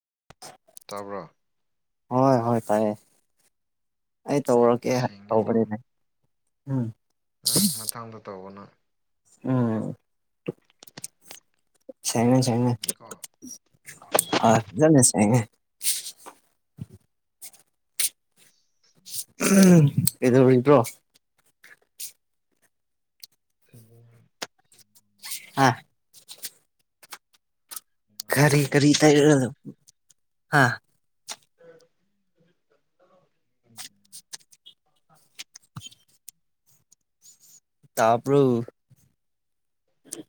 [unintelligible] ꯇꯥꯕ꯭ꯔꯥ? ꯍꯣꯏ ꯍꯣꯏ ꯇꯥꯏꯌꯦ ꯑꯩ ꯁꯦꯡ ꯇꯧꯔꯛꯀꯦ ꯍꯥꯏ ꯁꯦꯡꯉꯦꯀꯣ ꯇꯧꯕꯅꯤꯅꯦ꯫ ꯎꯝ ꯎꯝ ꯃꯊꯪꯗ ꯇꯧꯋꯣ ꯅꯪ꯫ ꯎꯝ ꯁꯦꯡꯉꯦ ꯁꯦꯡꯉꯦ ꯁꯦꯡꯉꯦꯀꯣ ꯑ ꯐꯖꯅ ꯁꯦꯡꯉꯦ꯫ ꯀꯩꯗꯧꯔꯤꯕ꯭ꯔꯣ? ꯍꯂꯣ ꯑ ꯀꯔꯤ ꯀꯔꯤ [unintelligible] ꯍꯥꯥ ꯇꯥꯕ꯭ꯔꯣ?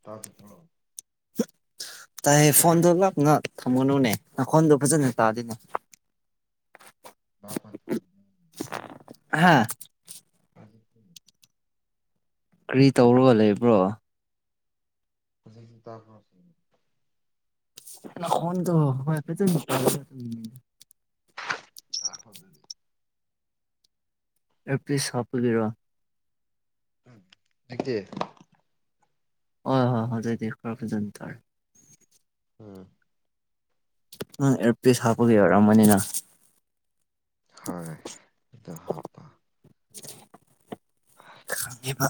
ꯇꯥꯕ꯭ꯔꯣ? ꯇꯥꯏꯍꯦ ꯐꯣꯟꯗꯣ ꯂꯥꯞꯅ ꯊꯝꯒꯅꯨꯅꯦ ꯅꯥꯈꯣꯟꯗꯣ ꯐꯖꯅ ꯇꯥꯗꯦꯅꯦ꯫ ꯍꯥꯥ ꯀꯔꯤ ꯇꯧꯔꯒ ꯂꯩꯕ꯭ꯔꯣ? ꯍꯧꯖꯤꯛꯇꯤ ꯇꯥꯕ꯭ꯔꯣ? ꯅꯈꯣꯟꯗꯣ ꯍꯣꯏ ꯐꯖꯅ ꯇꯥꯗꯕꯅꯤꯅꯦ꯫ ꯉꯥꯏꯈꯣ ꯑꯗꯨꯗꯤ ꯑꯦꯔꯄꯤꯁ ꯍꯥꯞꯄꯒꯤꯔꯣ? ꯎꯝ ꯍꯩꯖꯤꯛꯇꯤ? ꯍꯣꯍꯣꯏ ꯍꯧꯖꯤꯛꯇꯤ ꯈꯔ ꯐꯖꯅ ꯇꯥꯔꯦ꯫ ꯎꯝ ꯅꯪ ꯑꯦꯌꯔꯄꯤꯁ ꯍꯥꯞꯄꯒꯤ ꯑꯣꯏꯔꯝꯃꯅꯤꯅ꯫ ꯍꯣꯏ ꯑꯗꯨ ꯍꯥꯞꯄ ꯈꯪꯉꯦꯕ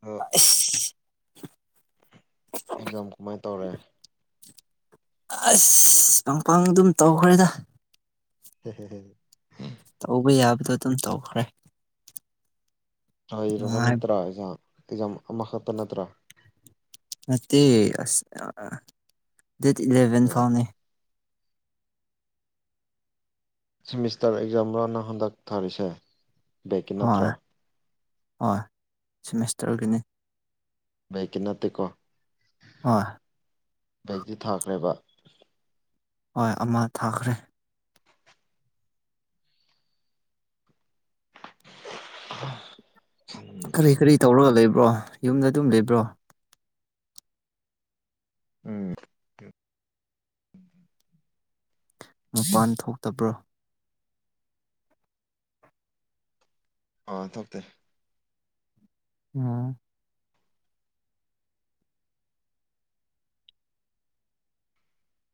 ꯑꯗꯣ ꯑꯦꯛꯖꯥꯝ ꯀꯃꯥꯏ ꯇꯧꯔꯦ? ꯑꯁ ꯄꯥꯡꯄꯥꯡ ꯑꯗꯨꯝ ꯇꯧꯈ꯭ꯔꯦꯗ꯫ ꯍꯦꯍꯦꯍꯦ ꯇꯧꯕ ꯌꯥꯕꯗꯣ ꯑꯗꯨꯝ ꯇꯧꯈ꯭ꯔꯦ ꯂꯣꯏꯔꯕ ꯅꯨꯡꯉꯥꯏꯕ ꯅꯠꯇ꯭ꯔꯥ ꯑꯦꯛꯖꯥꯝ ꯑꯦꯛꯖꯥꯝ ꯑꯃꯈꯛꯇ ꯅꯠꯇ꯭ꯔꯥ? ꯅꯠꯇꯦ ꯑꯁ ꯑ ꯗꯦꯠ ꯏꯂꯦꯚꯦꯟ ꯐꯥꯎꯅꯦ꯫ ꯁꯤꯃꯤꯁꯇꯔ ꯑꯦꯛꯖꯥꯝ ꯔꯣ ꯅꯪ ꯍꯟꯗꯛ ꯊꯥꯔꯤꯁꯦ ꯕꯦꯛꯀꯤ ꯅꯠꯇ꯭ꯔꯣ? ꯍꯣꯏ ꯍꯣꯏ ꯁꯤꯃꯤꯁꯇꯔꯒꯤꯅꯤ ꯕꯦꯛꯀꯤ ꯅꯠꯇꯦꯀꯣ? ꯑ ꯕꯦꯛꯀꯤ ꯊꯥꯈ꯭ꯔꯦꯕ? ꯍꯣꯏ ꯑꯃ ꯊꯥꯈ꯭ꯔꯦ꯫ ꯑ ꯀꯔꯤ ꯀꯔꯤ ꯇꯧꯔꯒ ꯂꯩꯕ꯭ꯔꯣ ꯌꯨꯝꯗ ꯑꯗꯨꯝ ꯂꯩꯕ꯭ꯔꯣ? ꯎꯝ ꯃꯄꯥꯟ ꯊꯣꯛꯇꯕ꯭ꯔꯣ? ꯑꯥ ꯊꯣꯛꯇꯦ꯫ ꯑꯝ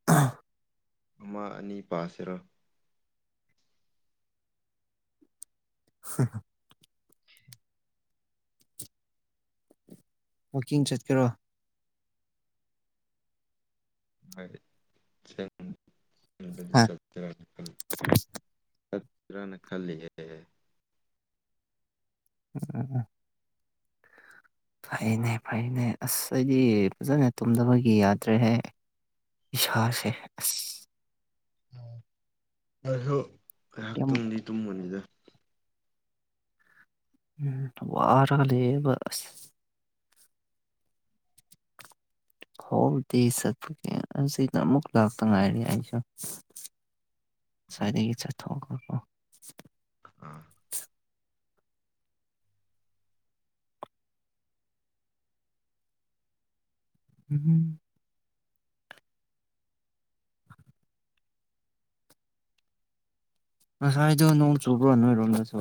ꯑ ꯑꯃꯥ ꯑꯅꯤ ꯄꯥꯁꯤꯔ? ꯍ ꯋꯥꯛꯀꯤꯡ ꯆꯠꯀꯦꯔꯥ? ꯆꯠ ꯆ ꯍꯥ [unintelligible] ꯇꯛ ꯇꯧꯖꯤꫪꯅ ꯈꯜꯂꯤ ꯌ‌ꯦꯍ‍ꯦ [unintelligible] ꯐꯩꯅꯦ ꯐꯩꯅꯦ ꯑꯁ ꯑꯩꯗꯤ ꯐꯖꯅ ꯇꯨꯝꯗꯕꯒꯤ ꯌꯥꯗ꯭ꯔꯦꯍꯦ ꯏꯁꯥꯁꯦ ꯑꯁ ꯑꯗꫭ ꯉꯥꯏꯍꯥꯛ ꯌꯥꯝ ꯇꯝꯗꯤ ꯇꯨꯝꯃꯅꯤꯗ ꯎꯝ ꯋꯥꯔꯒ ꯂꯩꯌ‌ꯦꯕ ꯈꫭꯡꯇꯤ ꯆꯠꯄꯅ‌ꯦ ꯑꯁꯤꯗꯌꯨꯛ ꯂꯥꯛꯇ ꯉꯥꯏꯔꯤ ꯑꯩꯁꯨ ꯁꯥꯏꯗꯒꯤ ꯏꯠ ꯊꯣꯛꯑꫭꯀꫭ ꯑꯥ ꯎꯝ ꯉꯁꯥꯏꯗꯣ ꯅꯣꯡ ꯆꯣꯕ꯭ꯔꯣ ꯑꯣꯏꯔꯣꯝꯗꯁꯨ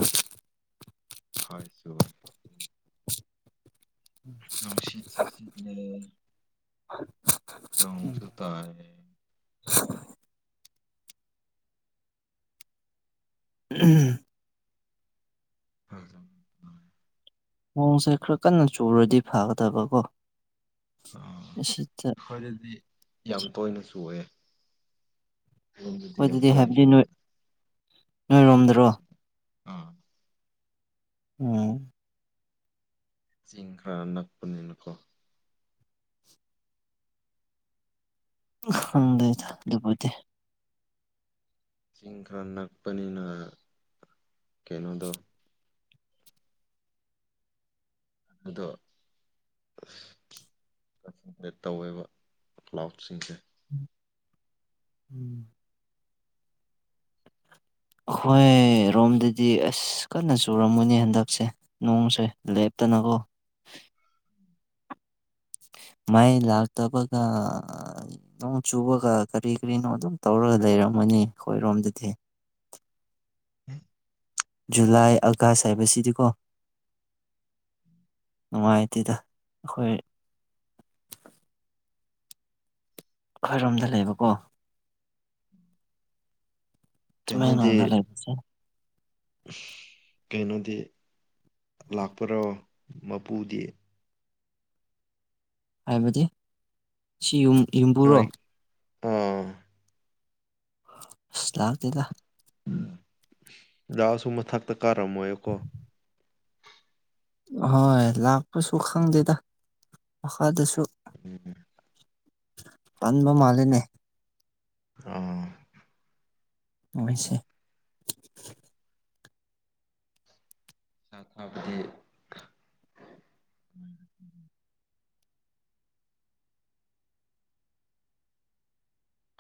ꯍꯣꯏ ꯆꯨꯏꯋ‌ꯦ ꯑꫭꯡ ꯁꯤ ꯁꯤ ꯁꯤꯠ ꯆꯤꯠꯂꯩ ꯅꯣꯡꯁꯨ ꯇꯥꯑ‌ꯦ [unintelligible] ꯎꯝ ꯍꯣꯏꯖꯝ ꯑꯣꯡꯁꯦ ꯈꯔ ꯀꯟꯅ ꯆꯨꯔꯗꯤ ꯐꯒꯗꯕ ꯀꯣ ꯑꯥ ꯑꯩꯈꯣꯏ ꯗꯗꯤ ꯌꯥꯝ ꯇꯣꯏꯅ ꯆꯨꯏꯑꯦ ꯈꯩꫪꫭꯝꯗꯤ ꯌꯥꯝ ꯑꯩꯈꯣꯏꯗꯗꯤ ꯇꫭꯅ ꯍꯥꯏꯕꯗꯤ ꯅꯣꯏ ꯆꯨꯏꯌ‌ꯦ ꯅꯣꯏꯔꯣꯝꯗꯔꯣ ꯑꯥ ꯎꯝ ꯆꯤꯡ ꯈꯔ ꯅꯛꯄꯅꯤꯅꯀꯣ ꯆꯤꯡ ꯍꯪꯗ‌‌ꯦꯗ ꯑꯗꯨꯄꯨ ꯂꯩꯇ‌ꯦ ꯆꯤꯡ ꯈꯔ ꯅꯛꯄꯅꯤꯅ ꯀꯩꯅꯣꯗꯣ ꯑꯗꯣ ꯀꯛ ꯆꯤꯡꯗ ꯇꯧꯋꯦꯕ ꯀ꯭ꯂꯥꯎꯠꯁꯤꯡꯁꯦ ꯎꯝ ꯑꯩꯈꯣꯏ ꯔꯣꯝꯗꯗꯤ ꯑꯁ ꯀꯟꯅ ꯆꯨꯔꯝꯃꯨꯅꯦ ꯍꯟꯗꯛꯁꯦ ꯅꯣꯡꯁꯦ ꯂꯦꯞ ꯇꯟꯅꯒꫭ [inaudible] [inaudible] ꯃꯩꯏ ꯂꯥꯛꯇꯕꯒ ꯅꯣꯡ ꯆꯨꯕꯒ ꯀꯔꯤ ꯀꯔꯤꯅꯣ ꯑꯗꯨꯝ ꯇꯧꯔꯒ ꯂꯩꯔꯝꯃꯣ ꯃꯅꯤ ꯑꯩꯈꯣꯏꯔꯣꯝꯗꯗꯤ [unintelligible] ꯖꯨꯂꯥꯏ ꯑꯀꯥꯁ ꯍꯥꯏꯕꯁꯤꯗꯤꯀꯣ ꯅꯨꯡꯉꯥꯏꯇꯦꯗ ꯑꯩꯈꯣꯏ ꯑꯩꯈꯣꯏꯔꯣꯝꯗ ꯂꯩꯕꯀꯣ ꯀꯩꯅꯣꯗꯤ ꯇꯥꯌ‌ꯦꯡꯂꫭꯡꯗ ꯂꯩꯕꯁ‌ꯦ ꯀꯩꯅꯣꯗꯤ ꯂꯥꯛꯄ꯭ꯔꯣ ꯃꯄꯨꯗꯤ ꯍꯥꯏꯕꯗꯤ ꯁꯤ ꯌꯨꯝ ꯌꯨꯝꯕꯨꯔꯣ ꯅꯣꯏ ꯑꯥ ꯑꯁ ꯂꯥꯛꯇ‌ꯦꯗ ꯂꯥꯛꯑꯁꯨ ꯃꯊꯛꯇ ꯀꯥꯔꯝꯃꯣꯏꯀꯣ ꯑꯍꫭꯏ ꯂꯥꯛꯄꯁꯨ ꯈꯪꯗꯦꯗ ꯃꯈꯥꯗꯁꯨ ꯎꯝ ꯄꯥꯟꯕ ꯃꯥꯜꯂ‌‌ꯦꯅꯦ ꯑꯥ ꯃꫭꯏꯁꯦ ꯆꯥꯊꯕꯗꯤ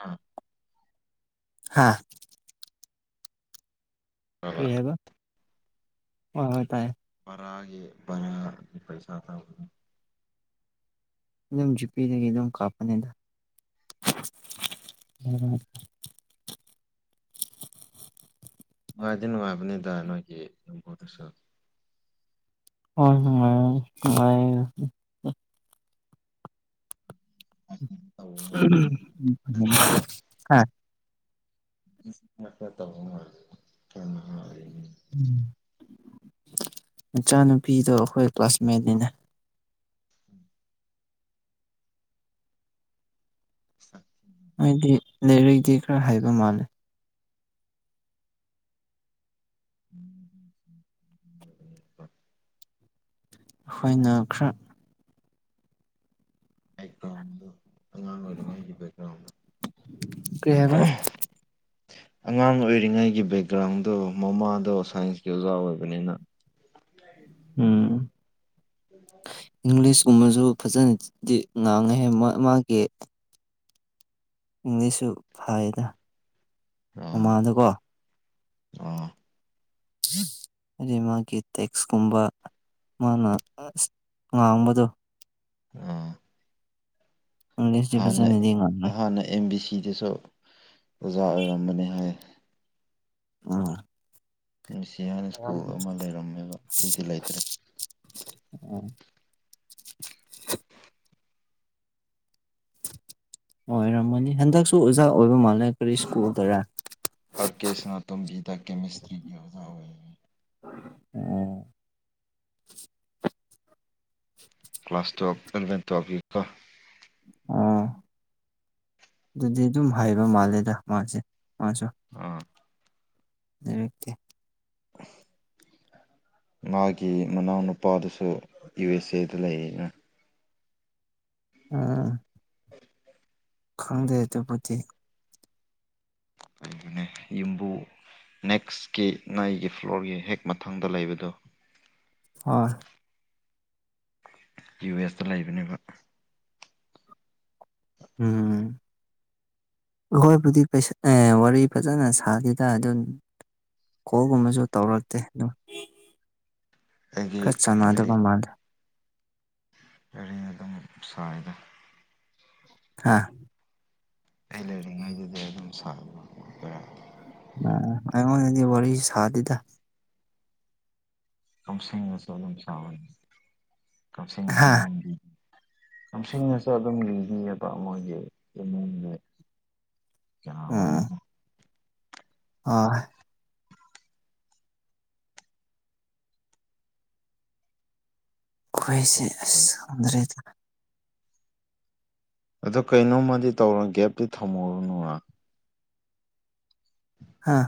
ꯑꯥ ꯍꯥꯥ ꯐꯕ ꯀꯔꯤ ꯍꯥꯏꯕ ꯍꯣꯏ ꯍꯣꯏ ꯇꯥꯏꯌꯦ ꯔꯒꯦꯅ ꯄꯩꯁꯥ ꯇꯥ ꯑꯗꯨꯝ ꯖꯤꯄꯤꯗꯒꯤ ꯑꯗꯨꯝ ꯀꯥꯞꯄꯅꯤꯗ ꯑꯣ ꯅꯨꯡꯉꯥꯏꯗꯤ ꯅꯨꯡꯉꯥꯏꯕꯅꯤꯗ ꯅꯣꯏꯒꯤ ꯌꯥꯝꯐꯣꯗꯁꯨ ꯍꯣꯏ ꯍ ꯅꯨꯡꯥꯏ ꯇꯧꯕ ꯃꯥꯜꯂꯦ ꯊꯥꯖꯗꯦ ꯀ ꯦ ꯇ ꯎꯝ ꯃꯆꯥꯅꯨꯄꯤꯗꯣ ꯑꯩꯈꯣꯏ ꯀ꯭ꯂꯥꯁꯃꯦꯠꯅꯤꯅꯦ ꯎꯝ ꯑ ꯍꯥꯏꯗꯤ ꯂꯩꯔꯛꯗꯤ ꯈꯔ ꯍꯥꯏꯕ ꯃꯥꯜꯂꯦ [unintelligible] ꯑꯩꯈꯣꯏꯅ ꯈꯔ ꯕꯦꯛꯒ꯭ꯔꯥꯎꯟꯗꯣ ꯑꯉꯥꯡ ꯑꯣꯏꯔꯤꯉꯩꯒꯤ ꯕꯦꯛꯒ꯭ꯔꯥꯎꯟꯗꯣ ꯀꯩ ꯍꯥꯏꯕ ꯑꯉꯥꯡ ꯑꯣꯏꯔꯤꯉꯩꯒꯤ ꯕꯦꯛꯒ꯭ꯔꯥꯎꯟꯗꯣ ꯃꯃꯥꯗꯣ ꯁꯥꯏꯟꯁꯀꯤ ꯑꯣꯖꯥ ꯑꯣꯏꯕꯅꯤꯅ ꯎꯝ ꯏꯪꯂꯤꯁ ꯀꯨꯝꯕꯁꯨ ꯐꯖꯅꯗꯤ ꯉꯥꯡꯉꯦ ꯃꯥꯒꯤ ꯏꯪꯂꯤꯁꯁꯨ ꯐꯩꯌꯦꯗ ꯑꯣ ꯃꯃꯥꯗꯀꯣ ꯑꯣ ꯑꯗꯨ ꯃꯥꯒꯤ ꯇꯦꯛꯁꯀꯨꯝꯕ ꯃꯥꯅ ꯉꯥꯡꯕꯗꯣ ꯑꯥ ꯏꯪꯂꯤꯁꯇꯤ ꯍꯥꯟꯅ ꯐꯖꯅꯗꯤ ꯉꯥꯡꯉꯦ ꯍꯥꯟꯅ ꯑꯦꯝ ꯕꯤ ꯁꯤꯗꯁꯨ ꯑꯣꯖꯥ ꯑꯣꯏꯔꯝꯕꯅꯤ ꯍꯥꯏ ꯑꯥ ꯃꯤꯁꯤ ꯍꯥꯏꯅ ꯁ꯭ꯀꯨꯜ ꯑꯃ ꯂꯩꯔꯝꯃꯦꯕ ꯁꯤꯗꯤ ꯂꯩꯇ꯭ꯔꯦ ꯑ ꯑꯣꯏꯔꯝꯃꯅꯤ ꯍꯟꯗꯛꯁꯨ ꯑꯣꯖꯥ ꯑꯣꯏꯕ ꯃꯥꯜꯂꯦ ꯀꯔꯤ ꯁ꯭ꯀꯨꯜꯗꯔ ꯑꯥꯔ ꯀꯦ ꯁꯅꯥꯇꯣꯝꯕꯤꯗ ꯀꯦꯃꯤꯁꯇ꯭ꯔꯤꯒꯤ ꯑꯣꯖꯥ ꯑꯣꯏ ꯑꯣ ꯀ꯭ꯂꯥꯁ ꯇ꯭ꯌꯦꯋꯦꯜ ꯑꯦꯂꯚꯦꯟ ꯇꯨꯌꯦꯋꯦꯜꯐꯒꯤꯀꯣ ꯑꯣ ꯑꯗꯨꯗꯤ ꯑꯗꯨꯝ ꯍꯥꯏꯕ ꯃꯥꯜꯂꯦꯗ ꯃꯥꯁꯦ ꯑꯆꯥꯥ ꯑꯥ ꯑꯗꯨꯀꯦ [inaudible] ꯃꯥꯒꯤ ꯃꯅꯥꯎꯅꯨꯄꯥꯗꯨꯁꯨ ꯌꯨ ꯑꯦꯁ ꯑꯦꯗ ꯂꯩ ꯑꯅ ꯑꯥ ꯈꯪꯗꯦ ꯆꯦ ꯄꯨꯠꯇ ꯅꯦꯌꯨꯝꯕꯨ ꯅꯦꯛꯁꯀꯤ ꯅꯩꯒꯤ ꯐ꯭ꯂꯣꯔꯒꯤ ꯍꯦꯛ ꯃꯊꯪꯗ ꯂꯩꯕꯗꯨ ꯑꯣ ꯌꯨ ꯑꯦꯁꯇ ꯂꯩꯕꯅꯦꯕ ꯎꯝ ꯑꯩꯈꯣꯏꯕꯨꯗꯤ ꯋꯥꯔꯤ ꯐꯖꯅ ꯁꯥꯗꯦꯗ ꯑꯗꯨꯝ ꯀꯣꯜꯒꯨꯝꯕꯁꯨ ꯇꯧꯔꯛꯇꯦ ꯑꯗꯨꯝ ꯑꯩꯒꯤ ꯈꯔ ꯆꯥꯟꯅꯗꯕ ꯃꯥꯜꯂꯦ ꯀꯔꯤ ꯑꯗꯨꯝ ꯁꯔꯗ ꯑꯥ ꯑꯩ ꯂꯩꯔꯤꯉꯩꯗꯨꯗꯤ ꯑꯗꯨꯝ ꯁꯔ ꯑꯩꯉꯣꯟꯗꯤ ꯋꯥꯔꯤ ꯁꯥꯗꯗꯥ ꯀꯝꯁꯤꯡ ꯃꯁꯂꯝ ꯁꯥꯕꯅꯤ ꯀꯝꯁ ꯍꯥ ꯃꯁꯂꯝ ꯅꯤꯡꯁꯤꯡꯉꯁꯨ ꯑꯗꯨꯝ ꯂꯤꯈꯤꯌꯦꯗꯣ ꯃꯣꯏꯒꯤ ꯏꯃꯨꯡꯒꯤ ꯁꯂꯝ ꯑꯥ ꯑꯩꯈꯣꯏꯁꯦ ꯑꯁꯗꯔꯦꯗ ꯑꯗꯨ ꯀꯩꯅꯣꯃꯗꯤ ꯇꯧꯔꯣ ꯒꯦꯞꯇꯤ ꯊꯝꯃꯨꯔꯨꯅꯨꯔ ꯍꯥꯥ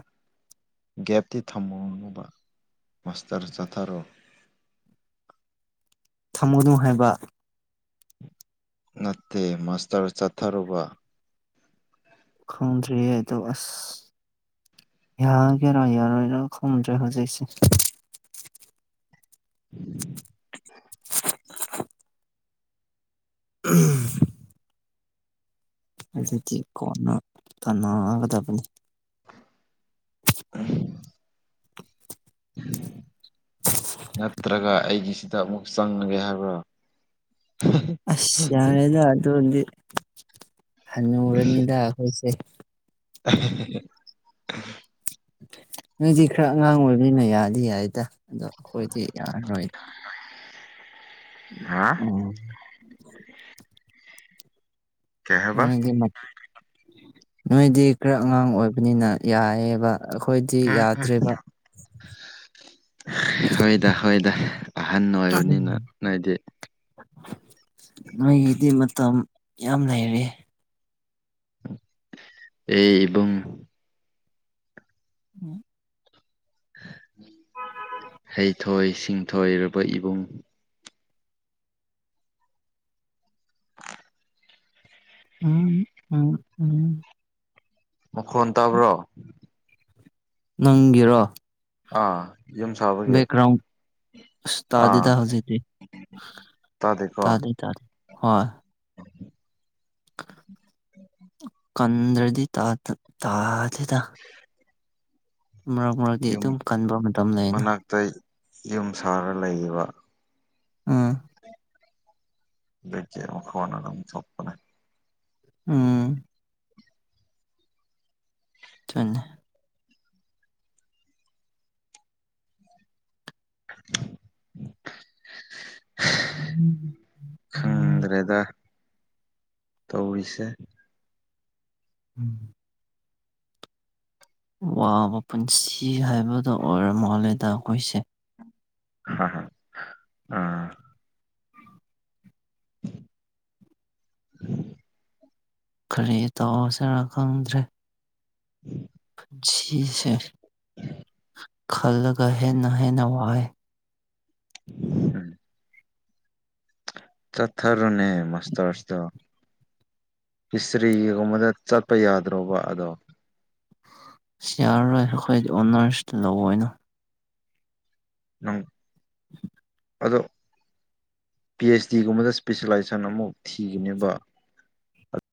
ꯒꯦꯞꯇꯤ ꯊꯝꯃꯨꯔꯥꯅꯨꯕ ꯃꯥꯁꯇꯔ ꯆꯠꯊꯔꯣ ꯊꯝꯃꯨꯒꯅꯨ ꯍꯥꯏꯕ ꯅꯠꯇꯦ ꯃꯥꯁꯇꯔ ꯆꯠꯊꯔꯨꯕ ꯈꯣꯡꯗꯔꯤꯗ ꯑꯁ ꯈꫭꯗ꯭ꯔꯤ ꯍꯧꯖꯤꯏꯁꯤ [inaudible] ꯎꯝ ꯑꯗꯨꯗꯤ ꯀꯣꯟꯅ ꯇꯅꯒꯗꯕꯅꯤ [inaudible] ꯅꯠꯇ꯭ꯔꯒ ꯑꯩꯒꯤꯁꯤꯗ ꯑꯃꯨꯛ ꯆꯪꯉꯒꯦ ꯍꯥꯏꯕ꯭ꯔꯥ ꯑꯁ ꯌꯥꯗ ꯑꯗꯨꯗ ꯍꯟꯅꯣꯔꯅꯤꯗꯥꯈꯣꯏꯁꯦ [inaudible] ꯅꯣꯏꯗꯤ ꯈꯔ ꯑꯉꯥꯡ ꯑꯣꯏꯕꯅꯤꯅ ꯌꯥꯗꯤ ꯍꯥꯏꯗ ꯑꯗꯣ ꯑꯩꯈꯣꯏꯗꯤ ꯌꯥꯔꯔꯣꯏ ꯍꯥ [inaudible] ꯀꯩ ꯍꯥꯏꯕ ꯅꯣꯏꯗꯤ ꯅꯣꯏꯗꯤ ꯈꯔ ꯑꯉꯥꯡ ꯑꯣꯏꯕꯅꯤꯅ ꯌꯥꯏꯑꯌꯦꯕ ꯑꯩꯈꯣꯏꯗꯤ ꯎꯝ ꯎꯝ ꯌꯥꯗ꯭ꯔꯦꯔꯤꯕ ꯍꯣꯏꯗ ꯍꯣꯏꯗ ꯑꯍꯟ ꯑꯣꯏꯕꯅꯤꯅ ꯅꯣꯏꯗꯤ ꯅꯣꯏꯒꯤꯗꯤ ꯃꯇꯝ ꯌꯥꯝ ꯂꯩꯔꯦ ꯑꯦꯕ ꯎꯝ ꯍꯩꯊꯣꯏ ꯁꯤꯡꯊꯣꯏꯔꯕ ꯏꯕꯨꯡ ꯎꯝ ꯎꯝ ꯎꯝ ꯃꯈꯣꯟ ꯇꯥꯕ꯭ꯔꯣ ꯅꯪꯒꯤꯔꯣ ꯑꯥ ꯌꯨꯝ ꯁꯥꯕꯒꯤ ꯑ ꯑꯥ ꯇꯥꯗꯤꯗ ꯍꯧꯖꯤꯛꯇꯤ ꯇꯥꯗꯦꯀꯣ ꯇꯥꯗꯤ ꯇꯥꯗꯤꯦ ꯍꯣꯏ ꯀꯟꯗ꯭ꯔꯗꯤ ꯇꯥꯗꯤꯗ ꯃꯔꯛ ꯃꯔꯛꯇꯗꯤ ꯌꯨꯝ ꯑꯗꯨꯝ ꯀꯟꯕ ꯃꯇꯝ ꯂꯩ ꯑꯩꯅ ꯃꯅꯥꯛꯇ ꯌꯨꯝ ꯁꯥꯔ ꯂꯩꯌꯦꯕ ꯑꯥ ꯂꯩꯆꯦ ꯁꯣꯄꯅꯦ ꯎꯝ ꯊꯃꯦ [inaudible] [inaudible] ꯈꯪꯗ꯭ꯔꯦꯗ ꯇꯧ ꯏꯁ ꯎꯝ ꯋꯥꯕ ꯄꯨꯟꯁꯤ ꯍꯥꯏꯕꯗꯣ ꯑꯣꯏꯔ ꯃꯥꯜꯂꯦꯗ ꯑꯩꯈꯣꯏꯁꯦ ꯍ ꯍ ꯑ ꯀꯔꯤ ꯇꯧꯁꯤꯔꯥ ꯈꯪꯗ꯭ꯔꯦ ꯎꯝ ꯁꯤ ꯁꯔ [inaudible] ꯈꯜꯒꯍꯦ ꯅꯍꯦ ꯅꯋꯥꯏ ꯎ ꯆꯠꯊꯔꯅꯦ ꯃꯁꯇꯔꯁꯗ ꯍꯤꯁꯇ꯭ꯔꯤꯒꯤꯒꯨꯝꯕꯗ ꯆꯠꯄ ꯌꯥꯗ꯭ꯔꯕ ꯑꯗꯣ ꯁꯤꯌꯥꯔꯣꯏ ꯑꯩꯈꯣꯏ ꯑꯣꯅꯔꯁ ꯂꯧꯑꯣ ꯑꯣꯏꯅ ꯎꯝ [unintelligible] ꯑꯗꯣ ꯄꯤ ꯑꯩꯆ ꯗꯤꯒꯨꯝꯕꯗ ꯏꯁꯄꯤꯦꯁꯦꯂꯥꯏꯖꯦꯁꯟ ꯑꯃꯐꯛ ꯊꯤꯒꯅꯦꯕ